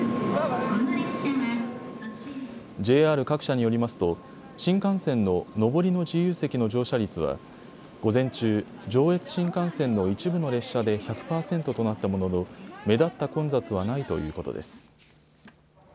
ＪＲ各社によりますと新幹線の上りの自由席の乗車率は午前中、上越新幹線の一部の列車で１００％となったものの目立った混雑はないということです。